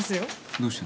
どうして？